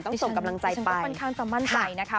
ต้องส่งกำลังใจไปคุณผู้ชมภาพมันประทับใจ